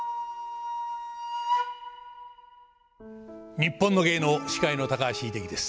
「にっぽんの芸能」司会の高橋英樹です。